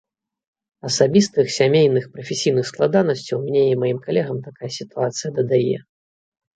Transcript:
Асабістых, сямейных, прафесійных складанасцяў мне і маім калегам такая сітуацыя дадае.